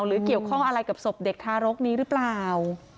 หรือเกี่ยวข้องอะไรกับศพเด็กทารกนี้หรือเปล่า